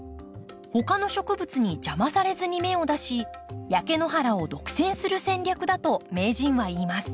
他の植物に邪魔されずに芽を出し焼け野原を独占する戦略だと名人はいいます。